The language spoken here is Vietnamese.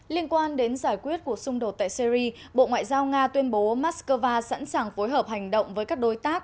liên quan đến giải quyết cuộc xung đột tại syri bộ ngoại giao nga tuyên bố moscow sẵn sàng phối hợp hành động với các đối tác